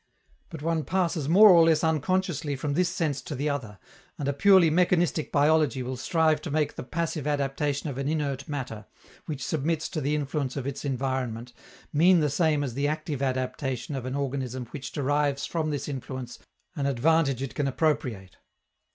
But one passes more or less unconsciously from this sense to the other, and a purely mechanistic biology will strive to make the passive adaptation of an inert matter, which submits to the influence of its environment, mean the same as the active adaptation of an organism which derives from this influence an advantage it can appropriate.